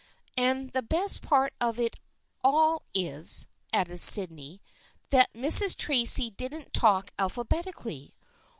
" And the best part of it all is," added Sydney, "that Mrs. Tracy doesn't talk alphabetically.